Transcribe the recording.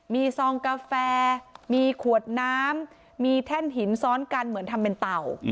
มีซองกาแฟมีขวดน้ำมีแท่นหินซ้อนกันเหมือนทำเป็นเต่า